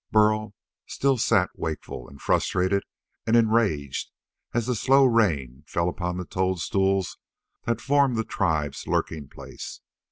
Burl still sat wakeful and frustrated and enraged as the slow rain fell upon the toadstools that formed the tribe's lurking place.